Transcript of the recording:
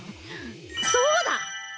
そうだ！